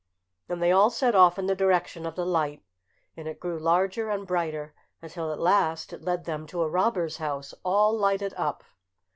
And they all set off in the direction of the light, and it grew larger and brighter, until at last it led them to a robber's house, all lighted up.